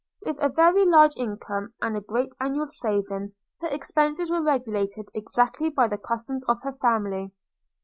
With a very large income, and a great annual saving, her expences were regulated exactly by the customs of her family.